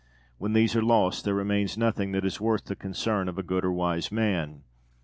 When these are lost, there remains nothing that is worth the concern of a good or wise man.